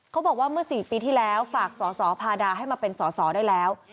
เขาบอกว่าเมื่อ๔ปีที่แล้วฝากสอสอพาดาให้มาเป็นสอสอได้แล้ว